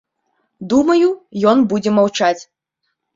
Думаю, ён будзе маўчаць.